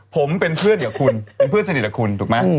ผมเป็นเพื่อนกับคุณเป็นเพื่อนสนิทกับคุณถูกไหม